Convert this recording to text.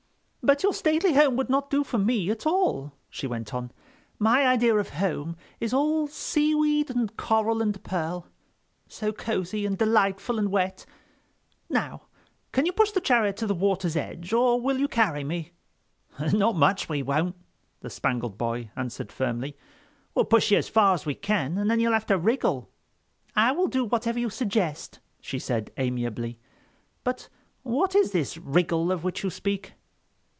"But your stately home would not do for me at all," she went on. "My idea of home is all seaweed of coral and pearl—so cosy and delightful and wet. Now—can you push the chariot to the water's edge, or will you carry me?" "Not much we won't," the Spangled Boy answered firmly. "We'll push you as far as we can, and then you'll have to wriggle." "I will do whatever you suggest," she said amiably; "but what is this wriggle of which you speak?"